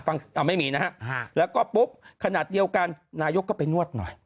ไม่มีนะฮะแล้วก็ปุ๊บขนาดเดียวกันนายกก็ไปนวดหน่อย